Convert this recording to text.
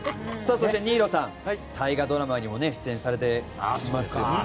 そして、新納さん大河ドラマにも出演されていました。